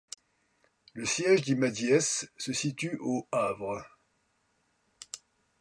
Le siège d'Imadiès se situe au Havre.